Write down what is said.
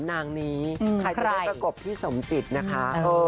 นางนี้ใครจะไม่ประกบพี่สมจิตนะคะ